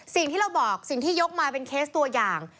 สิ่งที่เราบอกสิ่งที่ยกมาเป็นเคสตัวอย่าง